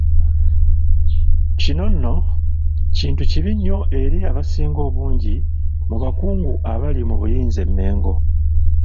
Kino nno, kintu kibi nnyo eri abasinga obungi mu bakungu abali mu buyinza e Mengo.